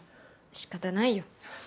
仕方ないよ。